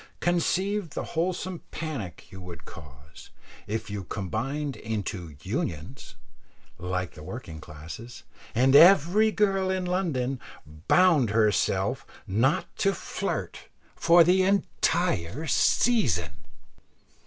Conceive the wholesome panic you would cause, if you combined into "unions" like the working classes, and every girl in London bound herself not to flirt for the entire season!